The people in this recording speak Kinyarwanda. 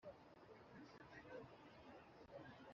Kutayobora cyangwa kutashingwa